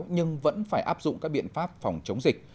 nhưng vẫn phải áp dụng các biện pháp phòng chống dịch